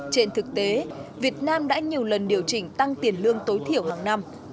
trên thực tế việt nam đã nhiều lần điều chỉnh tăng tiền lương tối thiểu hàng năm